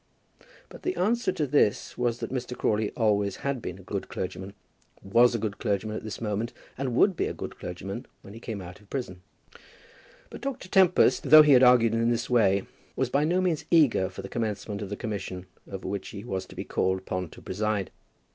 But the answer to this was that Mr. Crawley always had been a good clergyman, was a good clergyman at this moment, and would be a good clergyman when he did come out of prison. But Dr. Tempest, though he had argued in this way, was by no means eager for the commencement of the commission over which he was to be called upon to preside.